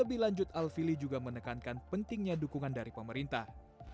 lebih lanjut alfili juga menekankan pentingnya dukungan dari pemerintah